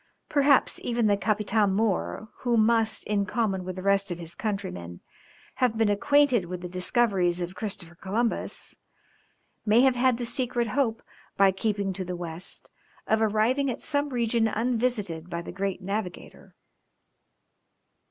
Perhaps even the Capitam mõr, who must, in common with the rest of his countrymen, have been acquainted with the discoveries of Christopher Columbus, may have had the secret hope, by keeping to the west, of arriving at some region unvisited by the great navigator.